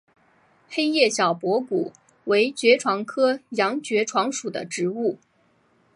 黑叶小驳骨为爵床科洋爵床属的植物。